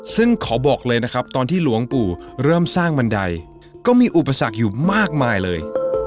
ซึ่งขอบอกเลยนะครับตอนที่หลวงปู่เริ่มสร้างบันไดก็มีอุปสรรคอยู่มากมายเลย